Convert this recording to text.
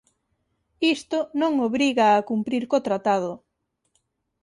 Isto non obriga a cumprir co Tratado.